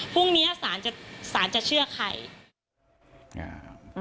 พรุ่งนี้สารจะเชื่อใคร